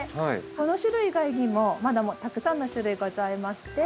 この種類以外にもまだたくさんの種類がございまして。